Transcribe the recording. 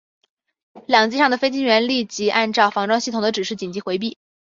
两机上的飞行员立即按照防撞系统的指示紧急回避。